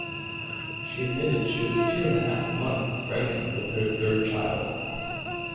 She admitted she was two-and-a-half months pregnant with her third child.